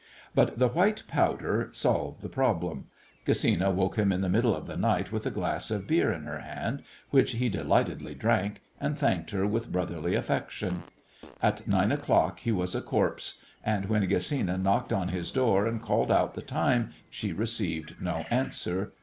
But the "white powder" solved the problem. Gesina woke him up in the middle of the night with a glass of beer in her hand, which he delightedly drank, and thanked her with brotherly affection. At nine o'clock he was a corpse, and when Gesina knocked on his door and called out the time she received no answer.